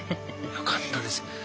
よかったです。